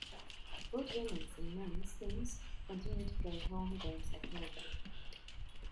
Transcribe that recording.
Both women's and men's teams continue to play home games at Hilton.